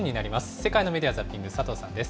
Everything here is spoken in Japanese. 世界のメディア・ザッピング、佐藤さんです。